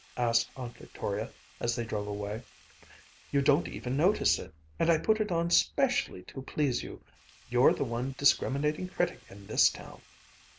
asked Aunt Victoria, as they drove away. "You don't even notice it, and I put it on 'specially to please you you're the one discriminating critic in this town!"